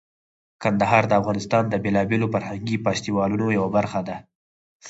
کندهار د افغانستان د بیلابیلو فرهنګي فستیوالونو یوه برخه ده.